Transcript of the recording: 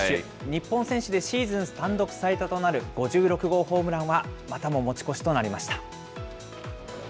日本選手でシーズン単独最多となる５６号ホームランはまたも持ち越しとなりました。